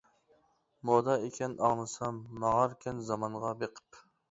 مودا ئىكەن ئاڭلىسام، ماڭاركەن زامانغا بېقىپ.